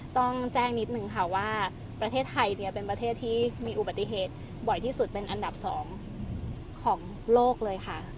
ต้องแจ้งนิดนึงค่ะว่าประเทศไทยเนี่ยเป็นประเทศที่มีอุบัติเหตุบ่อยที่สุดเป็นอันดับ๒ของโลกเลยค่ะ